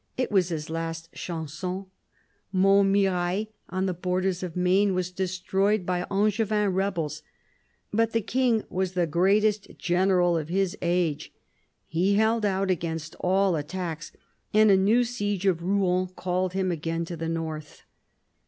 It was his last chanson. Montmirail, on the borders of Maine, was destroyed by Angevin rebels. But the king was the greatest general of his age. He held out against all attacks, and a new siege of Rouen called him again to the north.